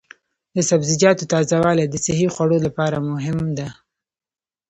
د سبزیجاتو تازه والي د صحي خوړو لپاره مهمه ده.